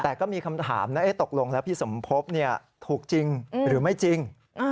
แต่ก็มีคำถามนะตกลงแล้วพี่สมภพถูกจริงหรือไม่จริง